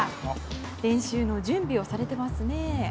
練習の準備をされていますね。